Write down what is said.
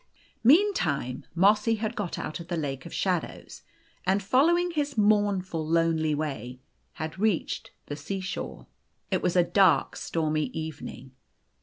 O Meantime Mossy had got out of the lake of shadows, and, following his mournful, lonely way, had reached the sea shore. It was a dark, stormy evening.